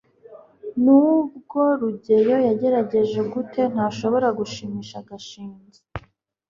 nubwo rugeyo yagerageje gute, ntashobora gushimisha gashinzi